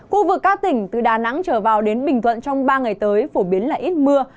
khu vực các tỉnh từ đà nẵng trở vào đến bình thuận trong ba ngày tới phổ biến là ít mưa